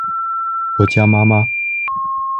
我家媽媽